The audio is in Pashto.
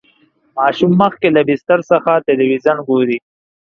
ماشوم مخکې له بستر څخه تلویزیون ګوري.